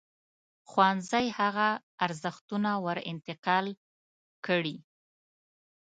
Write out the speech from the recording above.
ښوونځی هغه ارزښتونه ور انتقال کړي.